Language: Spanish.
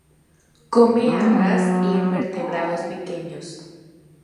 Come algas y invertebrados pequeños.